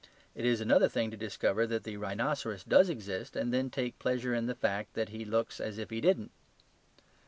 It is another thing to discover that the rhinoceros does exist and then take pleasure in the fact that he looks as if he didn't.